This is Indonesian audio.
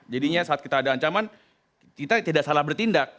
jadinya saat kita ada ancaman kita tidak salah bertindak